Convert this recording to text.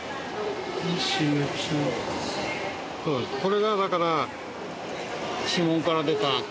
これがだから。